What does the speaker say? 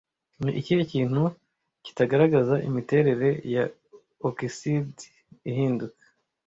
Ni ikihe kintu kitagaragaza imiterere ya okiside ihinduka